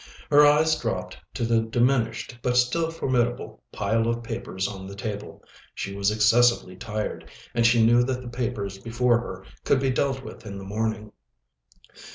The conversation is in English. Her eyes dropped to the diminished, but still formidable, pile of papers on the table. She was excessively tired, and she knew that the papers before her could be dealt with in the morning.